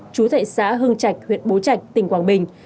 chú thệ xã hưng trạch huyện bố trạch tỉnh quảng bình